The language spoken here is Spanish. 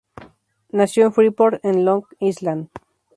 Nació en Freeport, en Long Island.